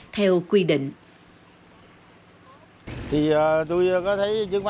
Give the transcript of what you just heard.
theo quy định